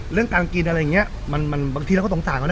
เรื่องการกินอะไรอย่างงี้บางทีเราต้องต่างกันนะ